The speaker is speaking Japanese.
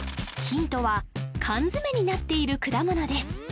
ヒントは缶詰になっている果物です